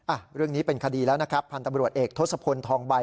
อ่ะเรื่องนี้เป็นคดีแล้วนะครับพันธบรวจเอกทศพลทองใบ